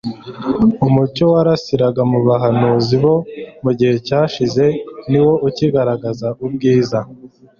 Umucyo warasiraga mu bahanuzi bo mu gihe cyashize niwo ukigaragaza ubwiza